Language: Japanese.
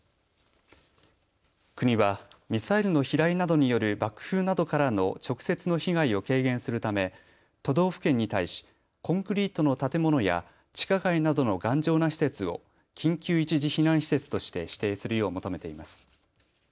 国はミサイルの飛来などによる爆風などからの直接の被害を軽減するため都道府県に対しコンクリートの建物や地下街などの頑丈な施設を緊急一時避難施設として指定するよう求めています。